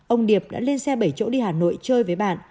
ông điệp đã lên xe bảy chỗ đi hà nội chơi với bạn